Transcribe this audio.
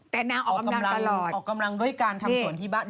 แต่นางออกกำลังออกกำลังด้วยการทำส่วนที่บ้าน